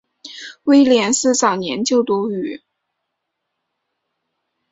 威廉斯早年就读于。